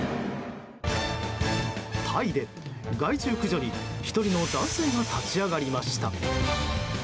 タイで、害虫駆除に１人の男性が立ち上がりました。